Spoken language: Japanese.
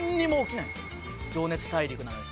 『情熱大陸』なのに。